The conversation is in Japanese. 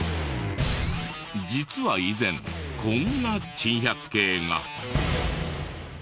実は以前こんな珍百景が。